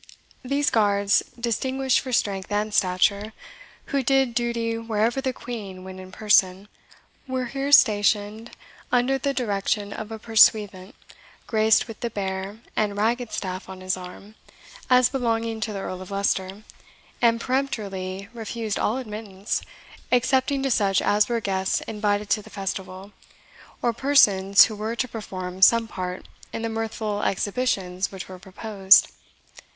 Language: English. These guards, distinguished for strength and stature, who did duty wherever the Queen went in person, were here stationed under the direction of a pursuivant, graced with the Bear and Ragged Staff on his arm, as belonging to the Earl of Leicester, and peremptorily refused all admittance, excepting to such as were guests invited to the festival, or persons who were to perform some part in the mirthful exhibitions which were proposed.